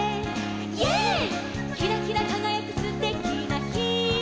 「イエーイ」「きらきらかがやくすてきなひ」